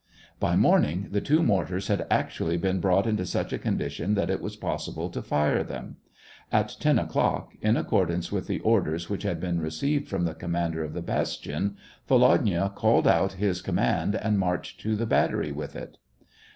By morning, the two mortars had actually been brought into such a condition that it was possible to fire them. At ten o'clock, in accordance with the orders which he had received from the com mander of the bastion, Volodya called out his command, and marched to the battery with it.